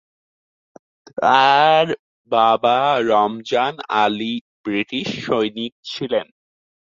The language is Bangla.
তার বাবা রমজান আলী ব্রিটিশ সৈনিক ছিলেন।